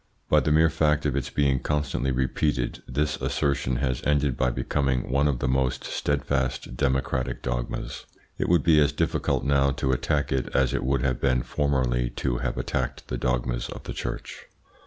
By the mere fact of its being constantly repeated, this assertion has ended by becoming one of the most steadfast democratic dogmas. It would be as difficult now to attack it as it would have been formerly to have attacked the dogmas of the Church.